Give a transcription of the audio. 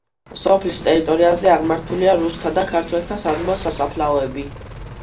სოფლის ტერიტორიაზე აღმართულია რუსთა და ქართველთა საძმო სასაფლაოები.